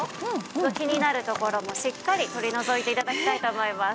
気になる所もしっかり取り除いて頂きたいと思います。